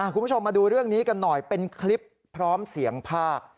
คุณผู้ชมมาดูเรื่องนี้กันหน่อยเป็นคลิปพร้อมเสียงภาค